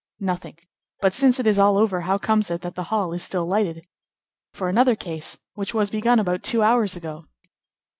"Nothing. But since it is all over, how comes it that the hall is still lighted?" "For another case, which was begun about two hours ago."